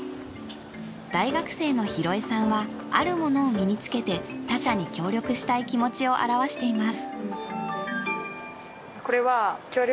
大学生の広江さんはあるものを身につけて他者に協力したい気持ちを表しています。